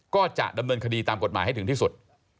ก็จะดำเนินคดีตามกฎหมายให้ถึงที่สุด